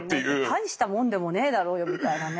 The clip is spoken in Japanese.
大したもんでもねえだろうよみたいなね。